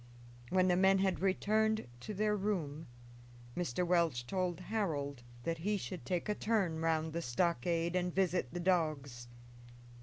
When the men had returned to their room Mr. Welch told Harold that he should take a turn round the stockade and visit the dogs.